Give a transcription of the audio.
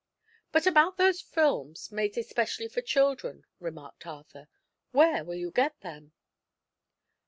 "But about those films, made especially for children," remarked Arthur. "Where will you get them?"